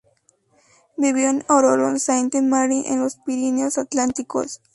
Vivió en Oloron-Sainte-Marie en los Pirineos Atlánticos.